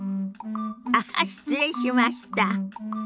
あっ失礼しました。